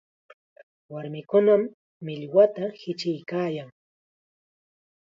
Warmikunam millwata hichiykaayan.